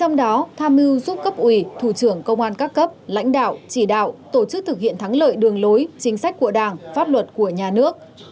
trong đó tham mưu giúp cấp ủy thủ trưởng công an các cấp lãnh đạo chỉ đạo tổ chức thực hiện thắng lợi đường lối chính sách của đảng pháp luật của nhà nước